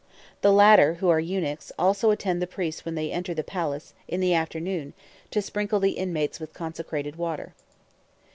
The latter, who are eunuchs, also attend the priests when they enter the palace, in the afternoon, to sprinkle the inmates with consecrated water.